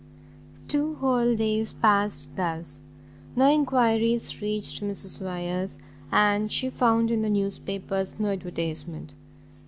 Two whole days passed thus; no enquiries reached Mrs Wyers, and she found in the news papers no advertisement.